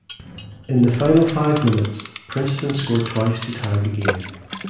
In the final five minutes Princeton scored twice to tie the game.